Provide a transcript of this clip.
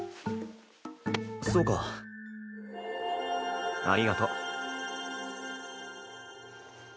そうか。ありがと。